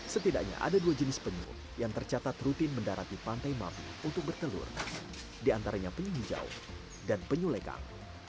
setidaknya ada dua jenis penyu yang tercatat rutin mendarat di pantai mabi untuk bertelur diantaranya penyu hijau dan penyu lekang